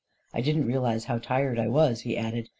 " I didn't realize how tired I was," he added.